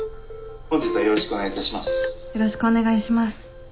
よろしくお願いします。